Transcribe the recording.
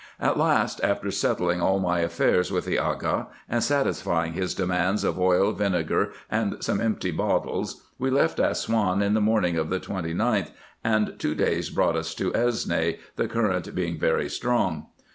At last, after settling all my affairs with the Aga, and satisfying his demands of oil, vinegar, and some empty bottles, we left Assouan in the morning of the 29th, and two days brought us to Esne, the cm rent being very strong.